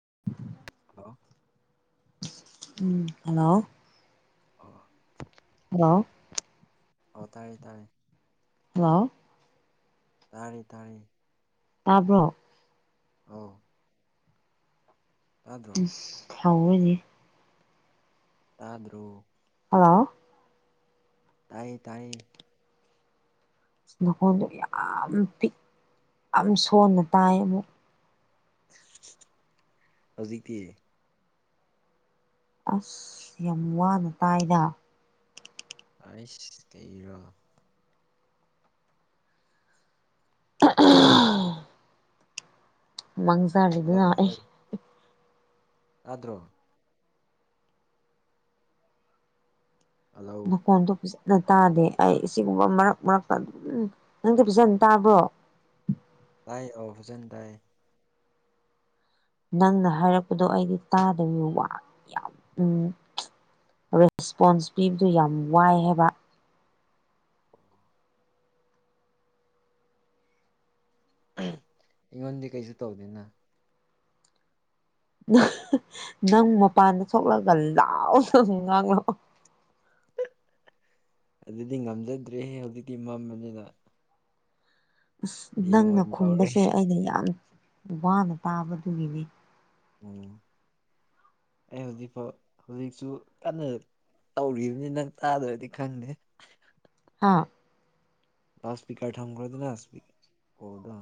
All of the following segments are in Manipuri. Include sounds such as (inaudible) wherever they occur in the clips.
(inaudible) ꯍꯜꯂꯣ ꯎꯝ ꯍꯜꯂꯣ ꯑꯣ ꯍꯜꯂꯣ ꯑꯣ ꯇꯥꯏꯌꯦ ꯇꯥꯔꯦ ꯍꯜꯂꯣ ꯇꯥꯔꯦ ꯇꯥꯔꯦ ꯇꯥꯕ꯭ꯔꯣ ꯑꯧ ꯇꯥꯗ꯭ꯔꯣ ꯏꯁ ꯍꯧꯌꯦꯅꯦ ꯇꯥꯗ꯭ꯔꯣ ꯍꯜꯂꯣ ꯇꯥꯏꯌꯦ ꯇꯥꯏꯌꯦ ꯅꯈꯣꯟꯗꯣ ꯌꯥꯝ ꯄꯤꯛ ꯌꯥꯝ ꯁꯣꯟꯅ ꯇꯥꯏ ꯑꯃꯨꯛ ꯍꯧꯖꯤꯛꯇꯤ ꯑꯁ ꯌꯥꯝ ꯋꯥꯅ ꯇꯥꯏꯗ ꯑꯩꯁ ꯀꯩꯔꯣ ꯑꯥ ꯑꯥ ꯍꯜꯂꯣ ꯃꯪꯖꯥꯥꯜꯂꯤꯗꯅ ꯑꯩ ꯍꯜꯂꯣ ꯇꯥꯗ꯭ꯔꯣ ꯍꯜꯂꯣ ꯅꯈꯣꯟꯗꯣ ꯐꯖ ꯅ ꯇꯥꯗꯦ ꯑꯩ ꯁꯤꯒꯨꯝꯕ ꯃꯔꯛ ꯃꯔꯛꯇ ꯑꯗꯨꯝ ꯅꯪꯗꯤ ꯐꯖꯅ ꯇꯥꯕ꯭ꯔꯣ ꯇꯥꯏ ꯑꯣ ꯐꯖꯅ ꯇꯥꯏ ꯅꯪꯅ ꯍꯥꯏꯔꯛꯄꯗꯣ ꯑꯩꯗꯤ ꯇꯥꯗꯝꯅꯤꯅ ꯋꯥ ꯌꯥꯝ ꯎꯝ ꯔꯦꯁꯄꯣꯟꯁ ꯄꯤꯕꯗꯨ ꯌꯥꯝ ꯋꯥꯏ ꯍꯥꯏꯕ ꯑꯩꯉꯣꯟꯗꯗꯤ ꯀꯩꯁꯨ ꯇꯧꯗꯦꯅꯥ ꯅꯪ ꯅꯪ ꯃꯄꯥꯟꯗ ꯊꯣꯛꯂꯒ ꯂꯥꯎꯅ ꯉꯥꯡꯂꯛꯑꯣ ꯑꯗꯨꯗꯤ ꯉꯝꯖꯗ꯭ꯔꯦꯍꯦ ꯍꯧꯖꯤꯛꯇꯤ ꯃꯝꯕꯅꯤꯅ ꯑꯁ ꯍꯌꯦꯡ ꯅꯪꯅ ꯑꯣꯏꯅ ꯇꯧꯔꯦ ꯈꯨꯝꯕꯁꯦ ꯑꯩꯅ ꯌꯥꯝ ꯋꯥꯅ ꯇꯥꯕꯗꯨꯒꯤꯅꯤ ꯑꯣ ꯑꯩ ꯍꯧꯖꯤꯛꯐꯥꯎ ꯍꯧꯖꯤꯛꯁꯨ ꯀꯟꯅ ꯇꯧꯔꯤꯕꯅꯤ ꯅꯪ ꯇꯥꯗ꯭ꯔꯗꯤ ꯈꯪꯗꯦ ꯍꯥꯥ ꯂꯥꯎꯗꯁ꯭ꯄꯤꯀꯔ ꯊꯝ ꯈꯣꯗꯅ ꯀꯣꯗ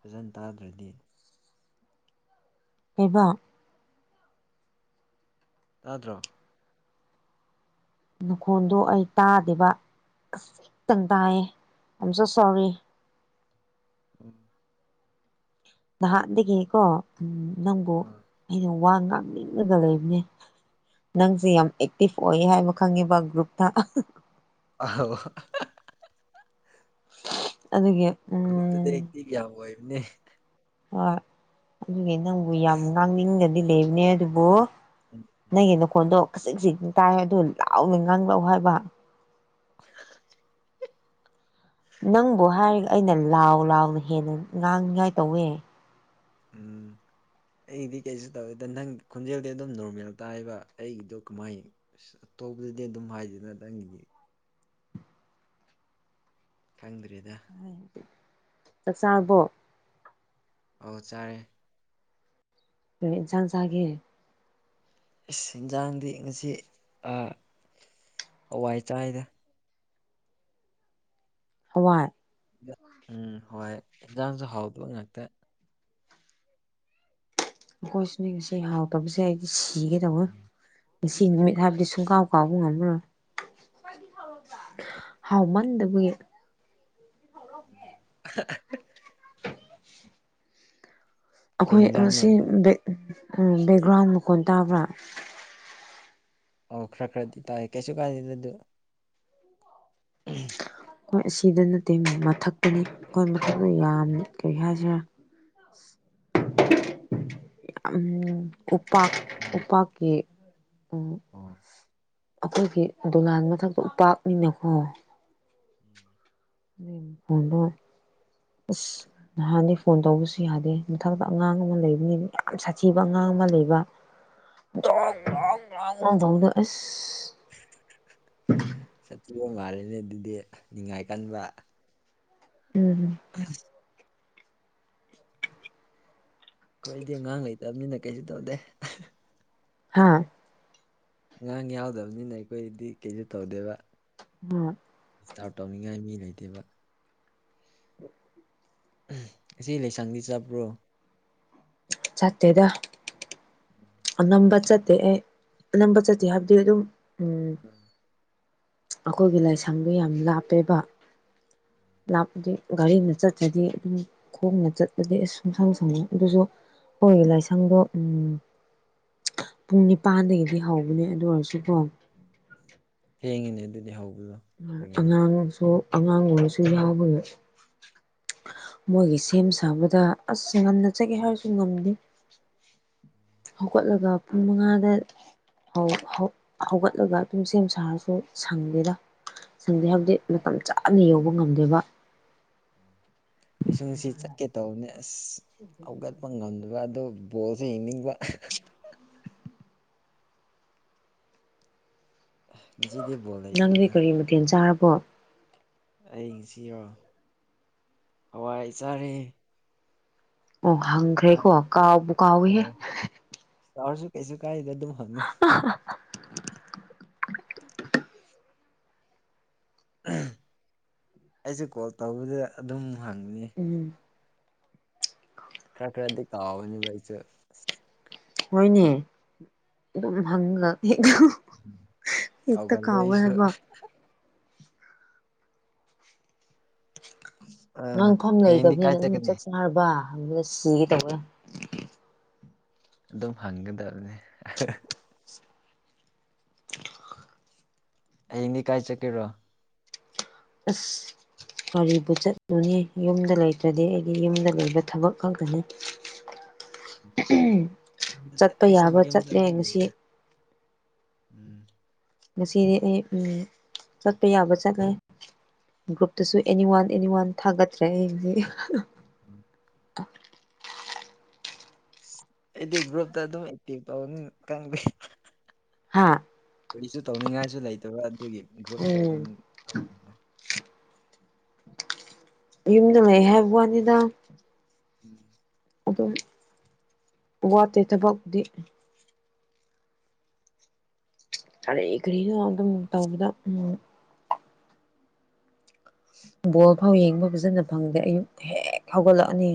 ꯐꯖꯅ ꯇꯥꯗ꯭ꯔꯗꯤ ꯀꯩꯕ ꯇꯥꯗ꯭ꯔꯣ ꯅꯈꯣꯟꯗꯣ ꯑꯩ ꯇꯥꯗꯦꯕ ꯑꯁꯇꯝ ꯇꯌꯦ ꯑꯝ ꯁꯣ ꯁꯣꯔꯤ (inaudible) ꯅꯍꯥꯟꯗꯒꯤꯀꯣ ꯎꯝ ꯅꯪꯕꯨ ꯑꯥ ꯋꯥ ꯉꯥꯡꯅꯤꯡꯉꯒ ꯂꯩꯕꯅꯦ ꯅꯪꯖꯦ ꯌꯥꯝ ꯑꯦꯛꯇꯤꯚ ꯑꯣꯏ ꯍꯥꯏꯕ ꯈꯪꯉꯦꯕ ꯒ꯭ꯔꯨꯞꯇ ꯑꯣ ꯑꯗꯒꯤ ꯎꯝ ꯑꯦ ꯍꯣꯏ ꯑꯗꯨꯒꯤ ꯅꯪꯕꯨ ꯌꯥꯝ ꯉꯥꯡꯅꯤꯡꯒꯗꯤ ꯂꯩꯕꯅꯦ ꯑꯗꯨꯕꯨ ꯅꯪꯒꯤ ꯅꯈꯣꯟꯗꯣ ꯈꯖꯤꯛ ꯈꯖꯤꯛ ꯇꯥꯏ ꯑꯗꯨ ꯂꯥꯎꯅ ꯉꯥꯡ ꯂꯛꯎ ꯍꯥꯏꯕ (inaudible) ꯅꯪꯕꯨ ꯍꯥꯏꯔꯒ ꯑꯩꯅ ꯂꯥꯎ ꯂꯥꯎꯅ ꯍꯦꯟꯅ ꯉꯥꯡꯅꯤꯉꯥꯏ ꯇꯧꯋꯦ (inaudible) ꯑꯩꯗꯤ ꯀꯩꯁꯨ ꯇꯧꯗꯦ ꯅꯪ ꯈꯣꯟꯖꯦꯜꯗꯤ ꯑꯗꯨꯝ ꯅꯣꯔꯃꯦꯜ ꯇꯥꯏꯕ ꯑꯩꯒꯤꯗꯣ ꯀꯃꯥꯏ ꯑꯇꯣꯄꯩꯩꯗꯗꯤ ꯑꯗꯨꯝ ꯍꯥꯏꯗ ꯅꯪꯒꯤꯗꯤ ꯈꯪꯗ꯭ꯔꯤꯗ ꯆꯥꯛꯆꯥꯥꯕꯣ ꯑꯧ ꯆꯥꯔꯦ ꯀꯔꯤ ꯢꯟꯁꯥꯡ ꯆꯥꯒꯦ ꯏꯁ ꯏꯟꯖꯥꯡꯗꯤ ꯉꯁꯤ ꯑꯥ ꯍꯋꯥꯏ ꯆꯥꯏꯗ ꯍꯋꯥꯏ ꯎꯝ ꯍꯣꯏ ꯌꯦꯟꯖꯥꯡꯁꯨ ꯍꯥꯎꯗꯕ ꯉꯥꯛꯇ ꯑꯩꯈꯣꯏꯁꯨꯅꯦ ꯉꯁꯤ ꯍꯥꯎꯗꯕꯁꯦ ꯑꯩꯗꯤ ꯁꯤꯒꯦꯗꯧꯋꯦ ꯉꯁꯤ ꯅꯨꯃꯤꯠ ꯍꯥꯏꯕꯗꯤ ꯁꯨꯡꯀꯥꯎ ꯀꯥꯎ ꯉꯝꯃꯔꯣꯢ ꯍꯥꯎꯃꯟꯗꯕꯒꯤ ꯑꯍꯥ ꯑꯍꯥ ꯀꯩ ꯑꯩꯈꯣꯏ ꯌꯦꯟꯖꯥꯡꯅꯣ ꯁꯤ ꯑꯗꯣ ꯕꯦ ꯕꯦꯛꯒ꯭ꯔꯥꯎꯟ ꯃꯈꯣꯟ ꯇꯥꯕ꯭ꯔꯥ ꯑꯣ ꯈꯔ ꯈꯔꯗꯤ ꯇꯥꯏ ꯀꯩꯁꯨ ꯀꯥꯟꯗꯦꯗ ꯑꯗꯨ ꯎꯝ ꯑꯈꯣꯏ ꯑꯁꯤꯗ ꯅꯠꯇꯦ ꯃꯊꯛꯇꯅꯤ ꯑꯩꯈꯣꯏ ꯃꯊꯛꯇ ꯌꯥꯝ ꯀꯔꯤ ꯍꯥꯏꯁꯤꯔꯥ ꯌꯥꯝ ꯎꯄꯥꯛ ꯎꯝ ꯎꯄꯥꯛꯀꯤ ꯎꯝ ꯑꯣ ꯑꯩꯈꯣꯏꯒꯤ ꯗꯨꯂꯥꯟ ꯃꯊꯛꯇ ꯎꯄꯥꯛꯅꯤꯅꯀꯣ ꯎꯜ ꯍꯪꯂꯣꯏ ꯑꯁ ꯅꯍꯥꯟꯗꯤ ꯐꯣꯟ ꯇꯧꯕꯁꯨ ꯌꯥꯗꯦ ꯃꯊꯛꯇ ꯑꯉꯥꯡ ꯑꯃ ꯂꯩꯕꯅꯤ ꯌꯥꯝ ꯁꯥꯊꯤꯕ ꯑꯉꯥꯡ ꯑꯃ ꯂꯩꯕ ꯗꯣꯡ ꯗꯣꯡ ꯗꯣꯡ ꯇꯧꯕ ꯑꯁ ꯪꯍꯥ ꯍꯥ ꯍꯥ ꯁꯥꯊꯤꯕ ꯃꯥꯂꯤꯅꯦ ꯑꯗꯨꯗꯤ ꯅꯤꯡꯉꯥꯏ ꯀꯟꯕ ꯎꯝ ꯑꯩꯈꯣꯏꯗꯤ ꯑꯉꯥꯡ ꯂꯩꯇꯕꯅꯤꯅ ꯀꯩꯁꯨ ꯇꯧꯗꯦ ꯍꯥꯍꯥ ꯍꯥꯥ ꯑꯉꯥꯡ ꯌꯥꯎꯗꯕꯅꯤꯅ ꯑꯩꯈꯣꯏꯗꯤ ꯀꯩꯁꯨ ꯇꯧꯗꯦꯕ ꯍꯣꯢ ꯗꯥꯎꯠ ꯇꯧꯅꯤꯡꯉꯥꯏ ꯃꯤ ꯂꯩꯇꯦꯕ (inaudible) ꯑꯁꯤ ꯂꯩꯁꯪꯗꯤ ꯆꯠꯄ꯭ꯔꯣ ꯆꯠꯇꯦꯗ ꯑꯅꯝꯕ ꯆꯠꯇꯦ ꯑꯩ ꯑꯅꯝꯕ ꯆꯠꯇꯦ ꯍꯥꯏꯕꯗꯤ ꯑꯗꯨꯝ ꯎꯝ ꯑꯩꯈꯣꯏꯒꯤ ꯂꯥꯏꯁꯪꯗꯨ ꯌꯥꯝ ꯂꯥꯞꯄꯦꯕ ꯂꯥꯞꯄꯗꯤ ꯒꯥꯔꯤꯅ ꯆꯠꯇ꯭ꯔꯗꯤ ꯑꯗꯨꯝ ꯈꯣꯡꯅ ꯆꯠꯄꯗꯤ ꯑꯁ ꯁꯨꯡꯁ ꯁꯥꯏꯌꯦ ꯑꯗꯨꯁꯨ ꯍꯣꯏ ꯂꯥꯏꯁꯪꯗꯣ ꯎꯝ ꯄꯨꯡ ꯅꯤꯄꯥꯟꯗꯒꯤꯗꯤ ꯍꯧꯕꯅꯦ ꯑꯗꯨ ꯑꯣꯏꯔꯁꯨꯀꯣ ꯊꯦꯡꯉꯤꯅꯦ ꯑꯗꯨꯗꯤ ꯍꯧ ꯑꯉꯥꯡꯁꯨ ꯑꯉꯥꯡ ꯑꯣꯏꯁꯨ ꯌꯥꯎꯕ ꯃꯣꯏꯒꯤ ꯁꯦꯝ ꯁꯥꯕꯗ ꯑꯁ ꯉꯟꯅ ꯆꯠꯀꯦ ꯍꯥꯏꯔꯁꯨ ꯉꯝꯗꯦ ꯍꯧꯒꯠꯂꯒ ꯄꯨꯡ ꯃꯉꯥꯗ ꯍꯧꯒꯠꯂꯒ ꯑꯗꯨꯝ ꯁꯦꯝ ꯁꯥꯔꯁꯨ ꯁꯪꯗꯦꯗ ꯁꯟꯗꯦ ꯍꯥꯏꯕꯗꯤ ꯃꯇꯝ ꯆꯥꯅ ꯌꯧ ꯑꯩꯁꯨ ꯉꯁꯤ ꯆꯠꯀꯦ ꯇꯧꯕꯅꯦ ꯑꯁ ꯍꯧꯒꯠꯄ ꯉꯝꯗꯕ ꯑꯗꯣ ꯕꯣꯜꯁꯨ ꯌꯦꯡꯅꯤꯡꯕ ꯉꯁꯤꯗꯤ ꯕꯣꯜ ꯅꯪꯗꯤ ꯂꯩꯇ꯭ꯔꯤꯅ ꯀꯔꯤ ꯃꯊꯦꯜ ꯆꯥꯔꯕꯣ ꯑꯩꯁꯤꯔꯣ ꯍꯋꯥꯏ ꯆꯥꯔꯦ ꯑꯣ ꯍꯪꯈ꯭ꯔꯦꯀꯣ ꯀꯥꯎꯕꯨ ꯀꯥꯎꯋꯦꯍꯦ ꯇꯧꯔꯁꯨ ꯀꯩꯁꯨ ꯀꯥꯏꯗ ꯑꯗꯨꯝ ꯍꯪꯉꯣ ꯑꯩꯁꯨ ꯀꯣꯜ ꯇꯧꯕꯗ ꯑꯗꯨꯝ ꯍꯪꯕꯅꯦ ꯎꯝ ꯈ꯭ꯔ ꯈ꯭ꯔꯗꯤꯗꯤ ꯀꯥꯎꯕꯅꯦꯕ ꯑꯩꯖꯨ ꯍꯣꯏꯅꯦ ꯑꯗꯨꯝ ꯍꯪꯒ ꯍꯦꯛꯇ ꯀꯥꯎꯒꯜꯂꯦ ꯀꯥꯎꯋꯦ ꯑꯩꯁꯨ ꯍꯥꯏꯕ ꯑꯥ ꯉꯥꯡꯐꯝ ꯍꯌꯦꯡꯗꯤ ꯀꯥꯏ ꯂꯩꯇꯕꯅꯤꯅ ꯑꯗꯨꯝ ꯆꯠꯀꯅꯤ ꯆꯠꯆꯔꯕ ꯉꯪꯕꯗ ꯁꯤꯒꯦ ꯇꯧꯌꯦ ꯑꯗꯨꯝ ꯍꯪꯒꯗꯕꯅꯦ ꯑꯩꯅꯤ ꯀꯥꯏ ꯆꯠꯀꯦꯔꯣ ꯑꯁ ꯀꯔꯤꯕꯨ ꯆꯠꯂꯨꯅꯤ ꯌꯨꯝꯗ ꯂꯩꯇ꯭ꯔꯗꯤ ꯑꯩꯗꯤ ꯌꯨꯝꯗ ꯂꯩꯕ ꯊꯕꯛ ꯈꯛꯇꯅꯤ ꯎꯝ ꯑꯩꯁꯨ ꯌꯨꯝꯗ ꯑꯗꯨꯝ ꯂꯩꯗ ꯎꯝ ꯉꯁꯤꯗꯤ ꯑꯩ ꯆꯠꯄ ꯌꯥꯕ ꯆꯠꯂꯦ ꯒ꯭ꯔꯨꯞꯇꯁꯨ ꯑꯦꯅꯤ ꯋꯥꯟ ꯑꯦꯅꯤ ꯋꯥꯟ ꯊꯥꯒꯠꯇ꯭ꯔꯦ ꯑꯩꯗꯤ (unintelligible) (unintelligible) ꯑꯩꯗꯤ ꯒ꯭ꯔꯨꯞꯇ ꯑꯗꯨꯝ ꯑꯦꯇꯦꯛ ꯇꯧꯕ ꯈꯪꯗꯦ ꯍꯥꯥ ꯀꯔꯤꯁꯨ ꯇꯧꯅꯤꯡꯉꯥꯏꯁꯨ ꯂꯩꯇꯕ ꯑꯗꯨꯒꯤ ꯒ꯭ꯔꯨꯞꯇ ꯑꯗꯨꯝ ꯎꯝ ꯇꯧꯕꯅꯤꯗ ꯌꯨꯝꯗ ꯂꯩꯍꯥꯏꯕ ꯋꯥꯅꯤꯗ ꯎꯝ ꯑꯗꯨꯝ ꯋꯥꯠꯇꯦ ꯊꯕꯛꯇꯤ ꯀ꯭ꯔꯤ ꯀꯔꯤꯅꯣ ꯑꯗꯨꯝ ꯇꯧꯕꯗ ꯎꯝ ꯕꯣꯜ ꯐꯥꯎ ꯌꯦꯡꯕ ꯐꯖꯅ ꯐꯪꯗꯦ ꯑꯌꯨꯛ ꯍꯦꯛ ꯍꯧꯒꯠꯂꯛꯑꯅꯤ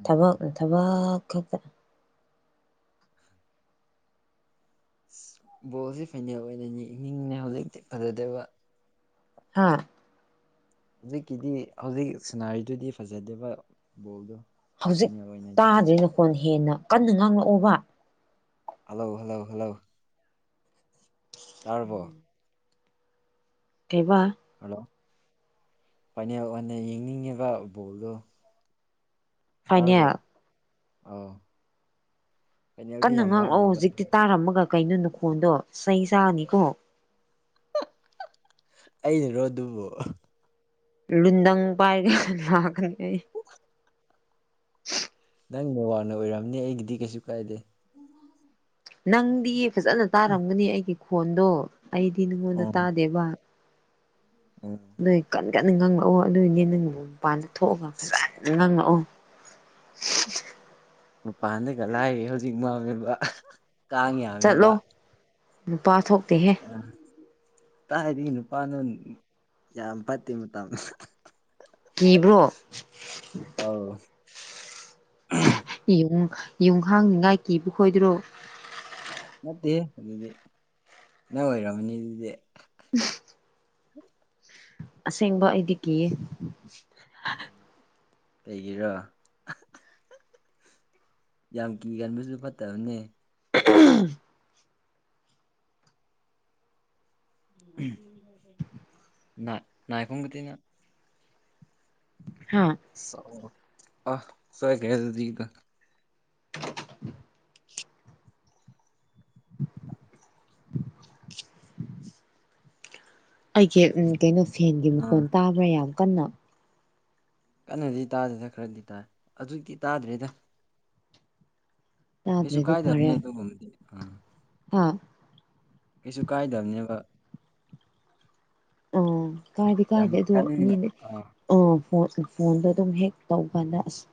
ꯎꯝ ꯊꯕꯛ ꯊꯕꯛ ꯈꯛꯇ ꯕꯣꯜꯁꯦ ꯐꯥꯏꯅꯦꯜ ꯑꯣꯏꯅ ꯌꯦꯡꯅꯤꯡꯉꯦ ꯍꯧꯖꯤꯛꯇꯤ ꯐꯖꯗꯦꯕ ꯍꯥꯥ ꯍꯧꯖꯤꯛꯀꯤꯗꯤ ꯍꯧꯖꯤꯛ ꯁꯅꯥꯔꯤꯗꯨꯗꯤ ꯐꯖꯗꯦꯕ ꯕꯣꯜꯗꯣ ꯍꯧꯖꯤꯛ ꯐꯥꯏꯅꯦꯜ ꯑꯣꯏꯅ ꯌꯦꯡꯅꯤꯡ ꯇꯥꯗ꯭ꯔꯤꯅ ꯈꯣꯟ ꯍꯦꯟꯅ ꯀꯟꯅ ꯉꯥꯡꯂꯛꯑꯣꯕ ꯍꯜꯂꯣ ꯍꯜꯂꯣ ꯍꯜꯂꯣ ꯇꯥꯔꯕꯣ ꯎꯝ ꯀꯩꯕ ꯍꯜꯂꯣ ꯐꯥꯏꯅꯦꯜ ꯑꯣꯏꯅ ꯌꯦꯡꯅꯤꯡꯉꯦꯕ ꯕꯣꯜꯗꯣ ꯇꯥꯔꯕꯣ ꯐꯥꯏꯅꯦꯜ ꯑꯧ ꯐꯥꯏꯅꯦꯜꯗꯤ ꯀꯟꯅ ꯌꯥꯝ ꯉꯥꯡꯂꯛꯑꯣ ꯋꯥꯠꯂꯤꯕ ꯑꯗꯨ ꯍꯧꯖꯤꯛꯇꯤ ꯑꯣꯏꯔꯁꯨ ꯇꯥꯔꯝꯃꯒ ꯀꯩꯅꯣ ꯅꯨꯈꯣꯟꯗꯣ ꯆꯩ ꯆꯥꯅꯤꯀꯣ ꯑꯩꯅꯔꯣ ꯑꯗꯨꯕꯨ ꯂꯨꯟꯗꯪ ꯄꯥꯏꯔꯒ ꯂꯥꯛꯀꯅꯤ ꯑꯩ ꯅꯪ ꯅꯦꯋꯥꯛꯅ ꯑꯣꯏꯔꯝꯅꯤ ꯑꯩꯒꯤꯗꯤ ꯀꯩꯁꯨ ꯀꯥꯏꯗꯦ ꯅꯪꯗꯤ ꯐꯖꯅ ꯇꯥꯔꯝꯒꯅꯤ ꯑꯩꯒꯤ ꯈꯣꯟꯗꯣ ꯑꯩꯗꯤ ꯅꯪꯉꯣꯟꯗ ꯑꯣ ꯇꯥꯗꯦꯕ ꯑꯣ ꯅꯣꯏ ꯀꯟꯅ ꯀꯟꯅ ꯉꯥꯡꯂꯛꯑꯣ ꯑꯗꯨ ꯑꯣꯏꯗꯤ ꯅꯪ ꯃꯄꯥꯟꯗ ꯊꯣꯛꯑꯒ ꯐꯖꯅ ꯉꯥꯡꯂꯛꯑꯣ (unintelligible) ꯃꯄꯥꯟꯗꯒ ꯂꯥꯏꯔꯤ ꯍꯧꯖꯤꯛ ꯃꯝꯃꯦꯕ ꯀꯥꯡ ꯆꯠꯂꯣ ꯌꯥꯝꯃꯦꯕ ꯅꯨꯄꯥ ꯊꯣꯛꯇꯦꯍꯦ ꯇꯥꯏꯗꯒꯤ ꯅꯨꯄꯥꯅꯣ ꯌꯥꯝ ꯐꯠꯇꯦ ꯃꯇꯝ ꯍꯥ ꯍꯥ ꯀꯤꯕ꯭ꯔꯣ ꯑꯧ ꯌꯨꯡ ꯌꯨꯡꯍꯥꯡꯅꯤꯉꯥꯏ ꯀꯤꯕ ꯈꯣꯏꯗꯨꯔꯣ ꯅꯠꯇꯦꯍꯦ ꯑꯗꯨꯗꯤ ꯅꯪ ꯑꯣꯏꯔꯝꯃꯅꯤ ꯑꯗꯨꯗꯤ ꯑꯁꯦꯡꯕ ꯑꯩꯗꯤ ꯀꯤꯌꯦ ꯀꯩꯒꯤꯔ ꯌꯥꯝ ꯀꯤꯒꯟꯕꯁꯨ ꯐꯠꯇꯕꯅꯦ ꯉꯥꯏꯈꯣꯡꯒꯇꯤꯅ ꯍꯥ ꯁꯥꯎꯕ ꯑꯥ ꯁꯣꯏꯒ꯭ꯔꯦ ꯑꯗꯨꯗꯤ ꯑꯥ ꯑꯩꯁꯦ ꯀꯩꯅꯣ ꯐꯦꯟꯒꯤ ꯑꯥ ꯃꯈꯣꯟ ꯇꯥꯕ꯭ꯔꯥ ꯌꯥꯝ ꯀꯟꯅ ꯀꯟꯅꯗꯤ ꯇꯥꯗꯦꯅ ꯈꯔꯗꯤ ꯇꯥꯏ ꯑꯧꯖꯤꯛꯇꯤ ꯇꯥꯗ꯭ꯔꯦꯗ ꯀꯩꯁꯨ ꯇꯥꯗ꯭ꯔꯗꯤ ꯀꯥꯏꯗꯕꯅꯦ ꯐꯔꯦ ꯑꯗꯨꯒꯨꯝꯕꯗꯤ ꯑ ꯍꯥ ꯀꯩꯁꯨ ꯀꯥꯏꯗꯕꯅꯦꯕ ꯑꯣ ꯀꯥꯏꯗꯤ ꯌꯥꯝ ꯀꯥꯏꯗꯦ ꯑꯗꯣ ꯀꯟꯅ ꯃꯤꯅꯦ ꯑꯥ ꯑꯣ ꯐꯣꯟꯗꯣ ꯑꯗꯨꯝ ꯍꯦꯛ ꯇꯧꯕ ꯀꯥꯟꯗ ꯑꯁ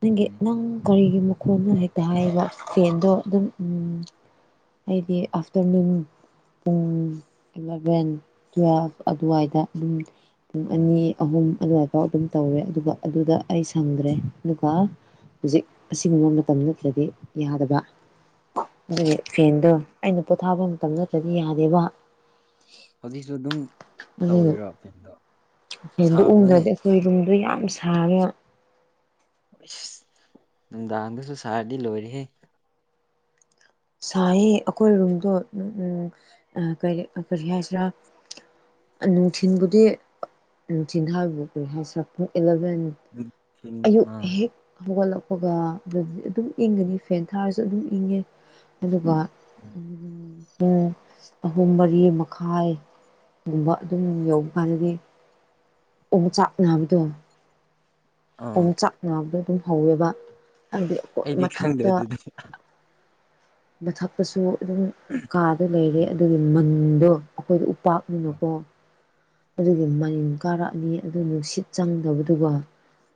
ꯅꯪꯒꯤ ꯎꯝ ꯅꯪ ꯀꯔꯤ ꯀꯔꯤ ꯃꯈꯣꯟꯅꯣ ꯍꯦꯛꯇ ꯍꯥꯏꯑꯦꯕ ꯐꯦꯟꯗꯣ ꯑꯗꯨꯝ ꯎꯝ ꯍꯥꯏꯗꯤ ꯑꯥꯐꯇꯔꯅꯨꯟ ꯄꯨꯡ ꯏꯂꯚꯦꯟ ꯇꯨꯋꯦꯜꯐ ꯑꯗꯨꯋꯥꯏꯗ ꯑꯗꯨꯝ ꯄꯨꯡ ꯎꯝ ꯑꯅꯤ ꯑꯍꯨꯝ ꯑꯗꯨꯋꯥꯏꯐꯥꯎ ꯑꯗꯨꯝ ꯇꯧꯋꯦ ꯑꯗꯨꯒ ꯑꯗꯨꯗ ꯑꯩ ꯁꯪꯗ꯭ꯔꯦ ꯑꯗꯨꯒ ꯍꯧꯖꯤꯛ ꯑꯁꯤꯒꯨꯝꯕ ꯃꯇꯝ ꯅꯠꯇ꯭ꯔꯗꯤ ꯌꯥꯗꯕ ꯑꯣ ꯑꯗꯨꯒꯤ ꯐꯦꯟꯗꯣ ꯑꯩꯅ ꯄꯣꯊꯥꯕ ꯃꯇꯝꯅꯠꯇ꯭ꯔꯗꯤ ꯌꯥꯗꯦꯕ ꯍꯧꯖꯤꯛꯁꯨ ꯑꯗꯨꯝ ꯑꯗꯨ ꯇꯧꯔꯤꯔꯣ ꯐꯦꯟꯗꯣ ꯐꯦꯟꯗꯣ ꯁꯥꯕ꯭ꯔꯅꯦ ꯎꯪꯗ꯭ꯔꯗꯤ ꯗꯣ ꯌꯥꯝ ꯁꯥꯔꯦꯕ ꯏꯁ ꯅꯨꯡꯗꯥꯡꯗꯁꯨ ꯁꯥꯔꯗꯤ ꯂꯣꯏꯔꯦꯍꯦ ꯁꯥꯏꯌꯦ ꯑꯩꯈꯣꯏ ꯔꯨꯝꯗꯣ ꯎꯝ ꯑꯥ ꯀꯔꯤ ꯍꯥꯏꯁꯤꯔꯥ ꯅꯨꯡꯊꯤꯟꯕꯨꯗꯤ ꯅꯨꯡꯊꯤꯟ ꯍꯥꯏꯕ ꯀꯔꯤ ꯍꯥꯏꯁꯤꯔꯥ ꯎꯝ ꯐꯦꯟ ꯑꯌꯨꯛ ꯑꯥ ꯍꯦꯛ ꯍꯧꯒꯠꯂꯛ ꯍꯥꯄꯒ ꯑꯗꯨꯗꯤ ꯑꯗꯨꯝ ꯏꯪꯒꯅꯤ ꯐꯦꯟ ꯊꯥꯔꯁꯨ ꯑꯗꯨꯝ ꯏꯪꯉꯦ ꯑꯗꯨꯒ ꯎꯝꯝ ꯄꯨꯡ ꯑꯍꯨꯝ ꯃꯔꯤ ꯃꯈꯥꯏꯒꯨꯝꯕ ꯑꯗꯨꯝ ꯌꯧꯕꯀꯥꯟꯗꯗꯤ ꯑꯣꯝ ꯆꯥꯛ ꯅꯕꯗꯣ ꯑꯥ ꯑꯃꯨꯛ ꯆꯥꯛ ꯅꯕꯗꯣ ꯑꯗꯨꯝ ꯍꯧꯋꯦꯕ ꯍꯥꯏꯗꯤ ꯑꯈꯣꯏ ꯑꯩꯗꯤ ꯈꯪꯗꯦ ꯃꯊꯛꯇ ꯑꯗꯨꯗꯤ ꯃꯊꯛꯇꯁꯨ ꯑꯗꯨꯝ ꯀꯥꯗ ꯂꯩꯔꯦ ꯎꯝ ꯑꯗꯨꯒꯤ ꯃꯟꯗꯣ ꯑꯩꯈꯣꯏꯗ ꯎꯞ ꯑꯣ ꯇꯥꯛꯃꯤꯅꯨꯀꯣ ꯑꯗꯨꯒꯤ ꯃꯅꯤꯡ ꯀꯥꯔꯛꯑꯅꯤ ꯑꯗꯨ ꯅꯨꯡꯁꯤꯠ ꯆꯪꯗꯕꯗꯨꯒ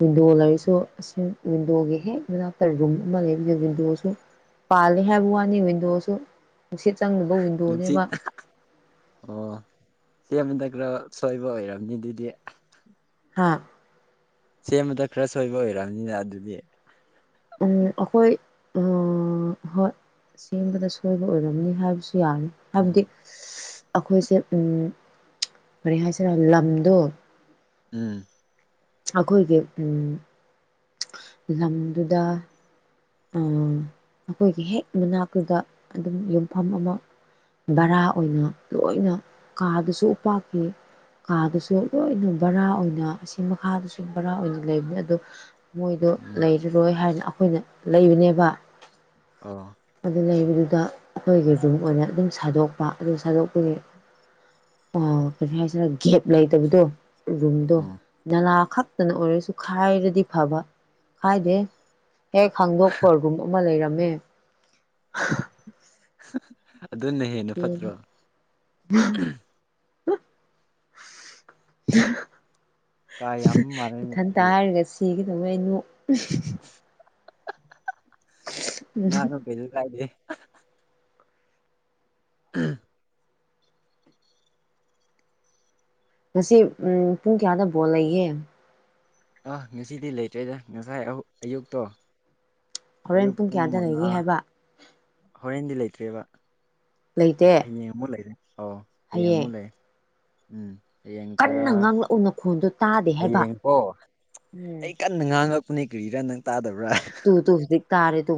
ꯋꯤꯟꯗꯣ ꯂꯩꯔꯁꯨ ꯎꯝ ꯑꯁꯤ ꯋꯤꯟꯗꯣꯒꯤ ꯍꯦꯛ ꯃꯅꯥꯛꯇ ꯌꯨꯝ ꯑꯃ ꯂꯩꯕꯗꯣ ꯋꯤꯟꯗꯣꯁꯨ ꯄꯥꯜ ꯑꯩ ꯍꯥꯏꯕ ꯋꯥꯅꯤ ꯋꯤꯟꯗꯣꯁꯨ ꯅꯨꯡꯁꯤꯠ ꯆꯪꯗꯕ ꯅꯨꯡꯁꯤꯠ ꯋꯤꯟꯗꯣꯅꯦꯕ ꯑꯣ ꯁꯦꯝꯕꯗ ꯈꯔ ꯁꯣꯏꯕ ꯑꯣꯏꯔꯝꯅꯤ ꯑꯗꯨꯗꯤ ꯍꯥꯥ ꯁꯦꯝꯕꯗ ꯈꯔ ꯁꯣꯏꯕ ꯑꯣꯏꯔꯝꯅꯤꯅ ꯑꯗꯨꯗꯤ ꯎꯝ ꯑꯩꯈꯣꯏ ꯎꯝ ꯍꯣꯏ ꯁꯦꯝꯕꯗ ꯁꯣꯏꯕ ꯑꯣꯏꯔꯝꯅꯤ ꯍꯥꯏꯕꯁꯨ ꯁꯨ ꯌꯥꯢ ꯍꯥꯏꯕꯗꯤ ꯎꯝ ꯑꯩꯈꯣꯏꯁꯦ ꯎꯝ ꯀꯔꯤ ꯍꯥꯏꯁꯤꯔ ꯂꯝꯗꯣ ꯎꯝ ꯑꯩꯈꯣꯏꯒꯤ ꯎꯝ ꯂꯝꯗꯨꯗ ꯑꯥ ꯑꯩꯈꯣꯏꯒꯤ ꯍꯦꯛ ꯃꯅꯥꯛꯇꯨꯗ ꯑꯗꯨꯝ ꯂꯩꯐꯝ ꯑꯃ ꯕꯔꯥ ꯑꯣꯏꯅ ꯂꯣꯏꯅ ꯀꯥꯗꯨꯁꯨ ꯎꯄꯥꯛꯀꯤ ꯀꯥꯗꯨꯁꯨ ꯂꯣꯏꯅ ꯕꯔꯥ ꯑꯣꯏꯅ ꯑꯁꯤ ꯃꯈꯥꯗꯁꯨ ꯕꯔꯥ ꯑꯣꯏꯅ ꯂꯩꯕꯅꯦ ꯑꯗꯨ ꯃꯣꯏꯗꯣ ꯎꯝ ꯂꯩꯔꯔꯣꯏ ꯍꯥꯏꯅ ꯑꯩꯈꯣꯏꯅ ꯂꯩꯕꯦꯕ ꯑꯣ ꯑꯗꯨ ꯂꯩꯕꯗꯨ ꯗ ꯑꯩꯈꯣꯏꯒꯤ ꯖꯨ ꯑꯣꯏꯅ ꯑꯗꯨꯝ ꯁꯥꯗꯣꯛꯄ ꯑꯗꯨ ꯁꯥꯗꯣꯛꯄꯒꯤ ꯑ ꯀꯔꯤ ꯍꯥꯏꯁꯤꯔ ꯒꯦꯞ ꯂꯩꯇꯕꯗꯣ ꯔꯨꯝꯗꯣ ꯑꯣ ꯅꯂꯥ ꯈꯛꯇꯅ ꯑꯣꯏꯔꯁꯨ ꯈꯥꯏꯔꯗꯤ ꯐꯕ ꯈꯥꯏꯗꯦ ꯍꯦꯛ ꯈꯪꯗꯣꯛꯄ ꯔꯨꯝ ꯑꯃ ꯂꯩꯔꯝꯃꯦ ꯑꯗꯨꯅ ꯍꯦꯟꯅ ꯐꯠꯇ꯭ꯔꯣ ꯀꯥ ꯌꯥꯝꯕ (unintelligible) ꯃꯥꯜꯂꯦꯅꯦ ꯏꯊꯟꯇ ꯑꯗꯨꯗꯤ ꯍꯥꯏꯔꯒ ꯁꯤꯒꯤꯗꯧ ꯋꯦ ꯅꯣ (unintelligible) ꯉꯥꯡꯉꯣ ꯀꯩꯁꯨ ꯀꯥꯢꯗꯦ ꯍꯝ ꯉꯁꯤ ꯎꯝ ꯄꯨꯡ ꯀꯌꯥꯗ ꯕꯣꯜ ꯂꯩꯒꯦ ꯑꯥ ꯉꯁꯤꯗꯤ ꯂꯩꯇ꯭ꯔꯦꯗ ꯉꯁꯥꯏ ꯑꯌꯨꯛꯇꯣ ꯍꯣꯔꯦꯟ ꯑꯌꯨꯛ ꯄꯨꯡ ꯀꯌꯥꯗ ꯃꯉꯥ ꯂꯩꯒꯦ ꯍꯥꯏꯕ ꯍꯣꯔꯦꯟꯗꯤ ꯂꯩꯇ꯭ꯔꯦꯕ ꯂꯩꯇꯦ ꯍꯌꯦꯡ ꯑꯃꯨꯛ ꯂꯩꯔꯦ ꯑꯣ ꯍꯌꯦꯡ ꯑꯃꯨꯛ ꯂꯩꯌꯦ ꯎꯝ ꯍꯌꯦꯡ ꯇꯔꯥ ꯀꯟꯅ ꯉꯥꯡꯂꯛꯑꯣ ꯅꯈꯣꯟꯗꯨ ꯍꯌꯦꯡꯀꯣ ꯑꯩ ꯀꯟꯅ ꯉꯥꯡꯉꯛꯄꯅꯦ ꯀꯔꯤꯔꯥ ꯅꯪ ꯇꯥꯗꯕ꯭ꯔꯥ ꯇꯨ ꯇꯨ ꯇꯥꯔꯦ ꯇꯨ